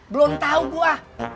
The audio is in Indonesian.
belum tau gua